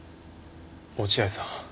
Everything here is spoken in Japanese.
落合さん。